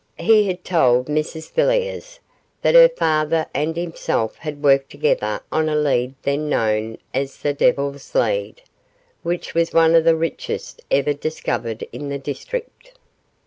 He told Mrs Villiers that her father and himself had worked together on a lead then known as the Devil's Lead, which was one of the richest ever discovered in the district.